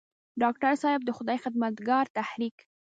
ډاکټر صېب د خدائ خدمتګار تحريک